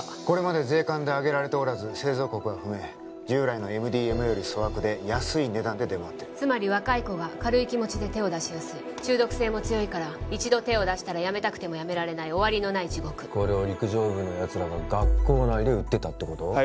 これまで税関で挙げられておらず製造国は不明従来のＭＤＭＡより粗悪で安い値段で出回ってるつまり若い子が軽い気持ちで手を出しやすい中毒性も強いから一度手を出したらやめたくてもやめられない終わりのない地獄これを陸上部のやつらが学校内で売ってたってこと？